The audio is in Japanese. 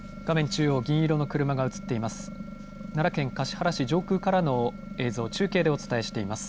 中央、銀色の車が映っています。